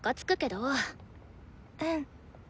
うん。